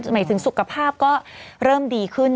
หมายถึงสุขภาพก็เริ่มดีขึ้น